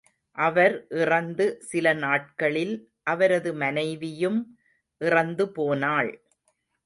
அவர் இறந்து சில நாட்களில் அவரது மனைவியும் இறந்து போனாள்.